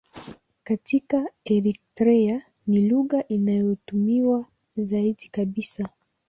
Katika Eritrea ni lugha inayotumiwa zaidi kabisa.